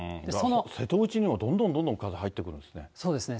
瀬戸内にもどんどんどんどん風入ってくるんですね。